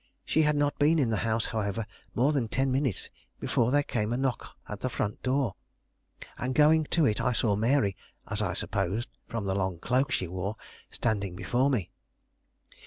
She had not been in the house, however, more than ten minutes, before there came a knock at the front door; and going to it I saw Mary, as I supposed, from the long cloak she wore, standing before me.